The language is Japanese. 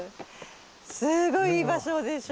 すごいいい場所でしょ